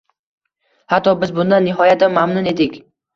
Hatto biz bundan nihoyatda mamnun edik…